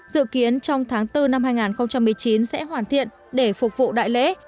dự kiến trong tháng bốn năm hai nghìn một mươi chín sẽ hoàn thiện để phục vụ đại lễ